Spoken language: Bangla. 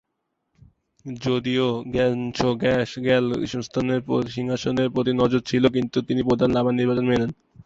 যদিও সাংস-র্গ্যাস-র্গ্যাল-ম্ত্শানের সিংহাসনের প্রতি নজর ছিল, কিন্তু তিনি প্রধান লামার নির্বাচন মেনে নেন।